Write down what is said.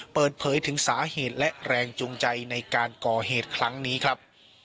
เปิดเผยถึงสาเหตุและแรงจูงใจในการก่อเหตุครั้งนี้ครับ